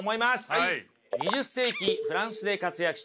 はい。